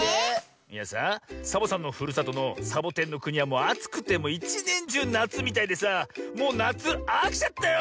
いやさサボさんのふるさとのサボテンのくにはもうあつくていちねんじゅうなつみたいでさもうなつあきちゃったよ。